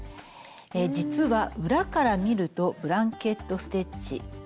実は裏から見るとブランケット・ステッチ。